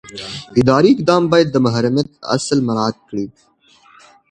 اداري اقدام باید د محرمیت اصل مراعات کړي.